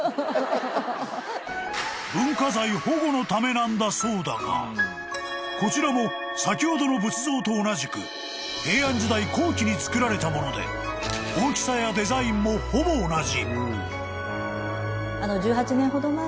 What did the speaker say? ［なんだそうだがこちらも先ほどの仏像と同じく平安時代後期につくられたもので大きさやデザインもほぼ同じ］